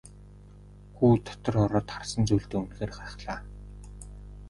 Хүү дотор ороод харсан зүйлдээ үнэхээр гайхлаа.